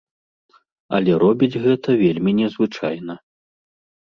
Але робіць гэта вельмі незвычайна.